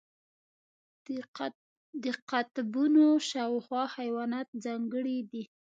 د قطبونو شاوخوا حیوانات ځانګړي دي.